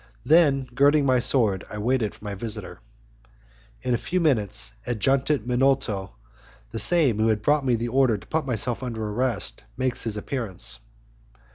Then, girding my sword, I wait for my visitor. In a few minutes, Adjutant Minolto, the same who had brought me the order to put myself under arrest, makes his appearance.